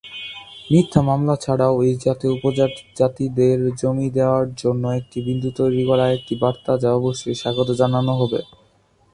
মিথ্যা মামলা ছাড়াও, এই জাতীয় উপজাতিদের জমি দেওয়ার জন্য একটি বিন্দু তৈরি করা একটি বার্তা যা অবশ্যই স্বাগত জানাতে হবে।